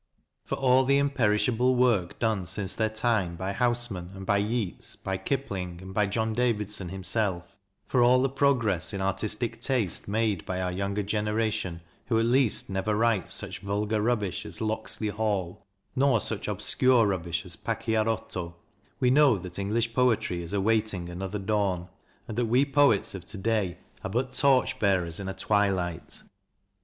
For all the imperishable work done since their time by Housman and by Yeats, by Kipling and by John Davidson himself, for all the progress in artistic taste made by our younger generation, who at least never write such vulgar rubbish as "Locksley Hall," nor such obscure rubbish as " Pachiarotto," we know that English poetry is awaiting another dawn, and that we poets of to day are but torch bearers in a twi light.